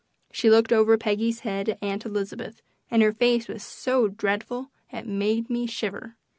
She looked over Peggy's head at Aunt Elizabeth, and her face was so dreadful it made me shiver.